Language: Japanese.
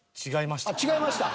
あっ違いました？